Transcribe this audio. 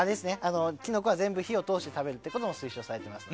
キノコは全部火を通して食べることも推奨されています。